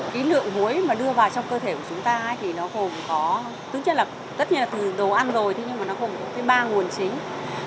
cái lượng muối mà đưa vào trong cơ thể của chúng ta thì nó gồm có tất nhiên là từ đồ ăn rồi nhưng mà nó gồm có ba nguồn chính